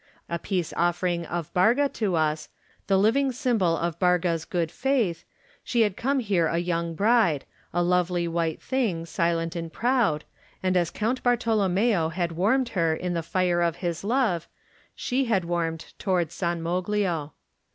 A peace oflFering of Barga to us, the living symbol of Barga 's good faith, she had come here a young bride, a lovely white thing, silent and proud, and as Count Bartolommeo had warmed her in the fire of his love she had warmed toward San Moglio.